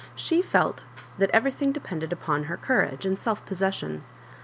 She felt that everything depended upon her courage and self poesession.